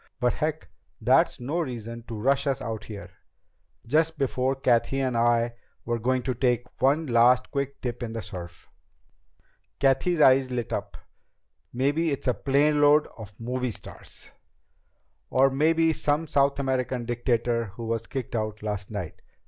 But heck, that's no reason to rush us out here, just before Cathy and I were going to take one last quick dip in the surf." Cathy's eyes lighted up. "Maybe it's a planeload of movie stars!" "Or maybe some South American dictator who was kicked out last night."